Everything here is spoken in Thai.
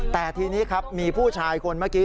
แต่ทีนี้ครับมีผู้ชายคนเมื่อกี้